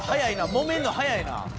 もめるの早いな。